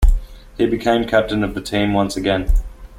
He became captain of the team once again.